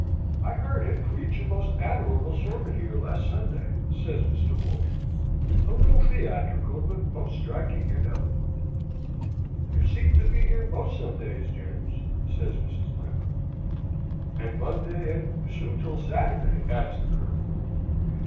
"I heard him preach a most admirable sermon here last Sunday," says Mr. Wolfe; "a little theatrical, but most striking and eloquent." "You seem to be here most Sundays, James," says Mrs. Lambert. "And Monday, and soon till Saturday," adds the Colonel.